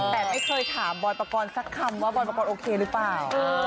แต่ไม่เคยถามบอยปกรณ์สักคำว่าบอยปกรณ์โอเคหรือเปล่า